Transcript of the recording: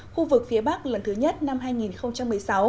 khu vực phía bắc lần thứ nhất năm hai nghìn một mươi sáu